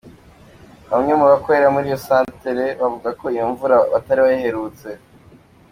Bamwe mu bakorera muri iyo santere bavuga ko iyo mvura batari bayiherutse.